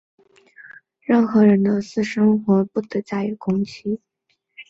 任何人的私生活、家庭、住宅和通信不得任意干涉,他的荣誉和名誉不得加以攻击。